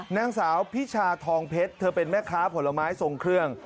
นางสาวพิชาทองเพชรเธอเป็นแม่ค้าผลไม้ทรงเครื่อง